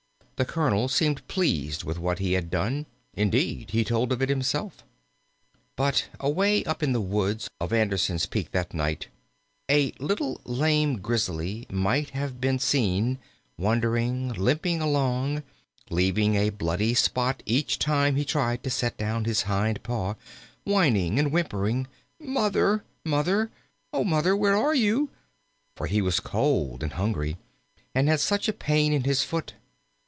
The Colonel seemed pleased with what he had done; indeed, he told of it himself. But away up in the woods of Anderson's Peak that night a little lame Grizzly might have been seen wandering, limping along, leaving a bloody spot each time he tried to set down his hind paw; whining and whimpering, "Mother! Mother! Oh, Mother, where are you?" for he was cold and hungry, and had such a pain in his foot.